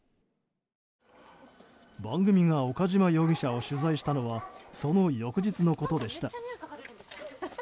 番組が岡島容疑者を取材したのはその翌日のことでした。